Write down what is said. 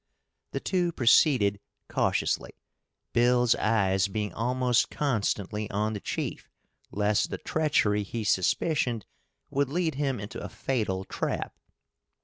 The two proceeded cautiously, Bill's eyes being almost constantly on the chief, lest the treachery he suspicioned would lead him into a fatal trap.